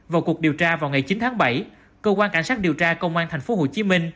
vào cuộc điều tra vào ngày chín tháng bảy cơ quan cảnh sát điều tra công an tp hcm